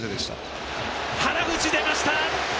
原口出ました！